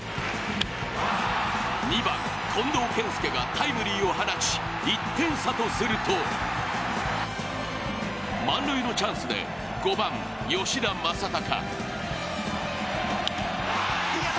２番・近藤健介がタイムリーを放ち１点差とすると満塁のチャンスで５番・吉田正尚。